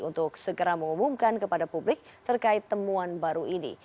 untuk segera mengumumkan kepada publik terkait temuan baru ini